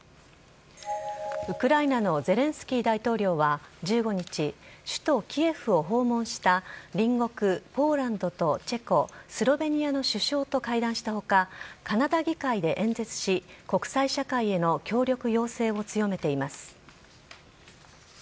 ウクライナのゼレンスキー大統領は、１５日、首都キエフを訪問した隣国、ポーランドとチェコ、スロベニアの首相と会談したほか、カナダ議会で演説し、国際社会への協力要請を強めています。